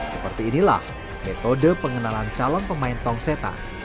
seperti inilah metode pengenalan calon pemain tong setan